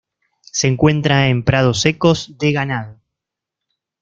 Se encuentra en prados secos de ganado.